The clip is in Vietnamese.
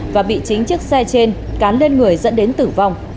và bị chính chiếc xe trên cán lên người dẫn đến tử vong